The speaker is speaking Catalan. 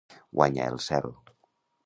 Guanyar el cel.